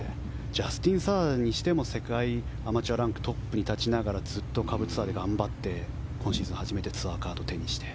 ジャスティン・サーも世界アマチュアランクのトップに立ちながらずっと下部ツアーで頑張ってツアーカードを手にして。